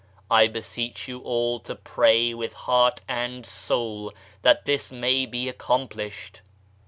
I beseech you all to pray with heart and soul that this may be accomplished.